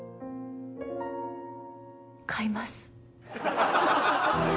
買います。